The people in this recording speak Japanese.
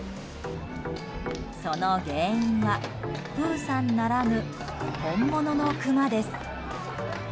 その原因はプーさんならぬ本物のクマです。